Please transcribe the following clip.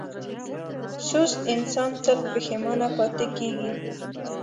سست انسان تل پښېمانه پاتې کېږي.